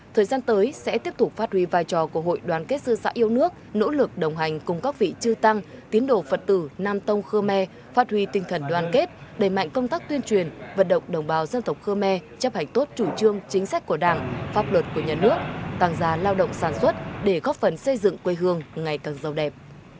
thời gian tới sẽ tiếp tục phát huy vai trò của hội đoàn kết sư sãi yêu nước nỗ lực đồng hành cùng các vị chư tăng tiến đồ phật tử nam tông khơ me phát huy tinh thần đoàn kết đẩy mạnh công tác tuyên truyền vận động đồng bào dân tộc khơ me chấp hành tốt chủ trương chính sách của đảng pháp luật của nhà nước tăng gia lao động sản xuất để góp phần xây dựng quê hương ngày càng giàu đẹp